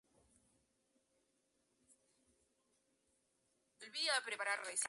Alchemax posee y opera un ojo público privatizado en el Departamento de Policía.